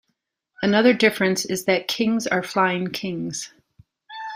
Another difference is that kings are flying kings.